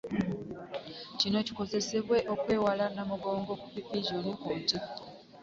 Kino kisobozese okwewala Namugongo division ku ntikko